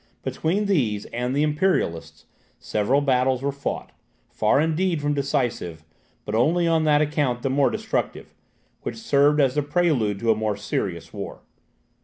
Between these and the Imperialists, several battles were fought, far indeed from decisive, but only on that account the more destructive, which served as the prelude to a more serious war.